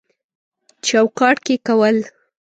چوکاټ کې کول